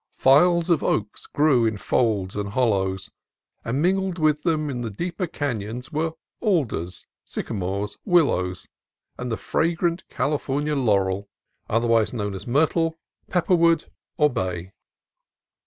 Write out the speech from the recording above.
Files of oaks grew in folds and hollows, and mingled with them in the deeper canons were alders, sycamores, willows, and the fragrant California laurel (otherwise known as myrtle, pepperwood, or 172 CALIFORNIA COAST TRAILS bay).